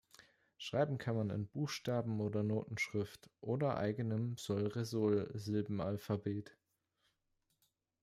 Schreiben kann man in Buchstaben- oder Notenschrift oder eigenem Solresol-Silbenalphabet.